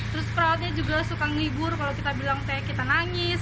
terus perawatnya juga suka ngibur kalau kita bilang kayak kita nangis